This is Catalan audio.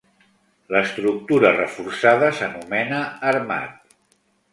L'estructura reforçada s'anomena armat.